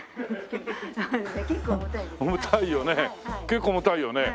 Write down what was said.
結構重たいよね？